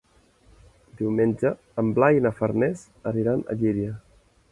Diumenge en Blai i na Farners aniran a Llíria.